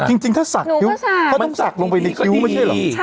จริงจริงถ้าสักหนูก็สักมันต้องสักลงไปในคิ้วไม่ใช่หรอใช่